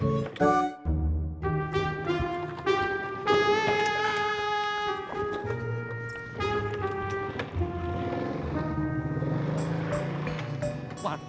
overall tidak ah